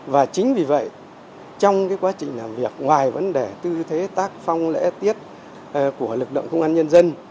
và chính vì vậy trong quá trình làm việc ngoài vấn đề tư thế tác phong lễ tiết của lực lượng công an nhân dân